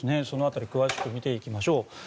その辺り詳しく見ていきましょう。